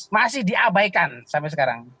masih diabaikan sampai sekarang